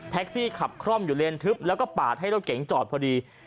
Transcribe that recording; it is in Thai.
ซี่ขับคล่อมอยู่เลนทึบแล้วก็ปาดให้รถเก๋งจอดพอดี